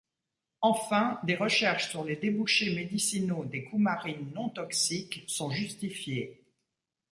Enfin, des recherches sur les débouchés médicinaux des coumarines non toxiques sont justifiées.